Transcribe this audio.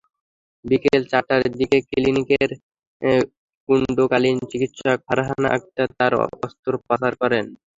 বিকেল চারটার দিকে ক্লিনিকের খণ্ডকালীন চিকিৎসক ফারহানা আক্তার তাঁর অস্ত্রোপচার করেন।